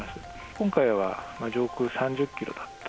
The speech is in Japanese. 今回は上空３０キロだったと。